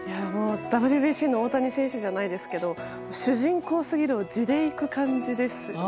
ＷＢＣの大谷選手じゃないですけど主人公すぎる地で行く感じですよね。